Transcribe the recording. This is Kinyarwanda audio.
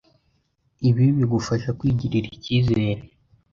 Ibi bigufasha kwigirira icyizere